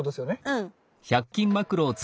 うん。